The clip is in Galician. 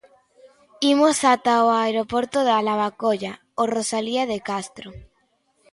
Imos ata o aeroporto da Lavacolla, o Rosalía de Castro.